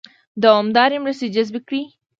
دوامدارې مرستې جذبې کړي.